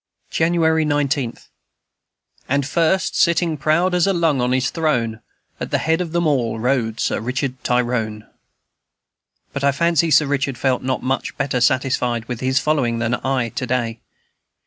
January 19. "And first, sitting proud as a lung on his throne, At the head of them all rode Sir Richard Tyrone." But I fancy that Sir Richard felt not much better satisfied with his following than I to day.